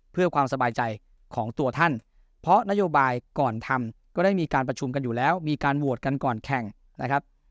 เพื่อความสบายใจของตัวท่านเพราะนโยบายก่อนทำก็ได้มีการประชุมกันอยู่แล้วมีการโหวตกันก่อนแข่งนะครับ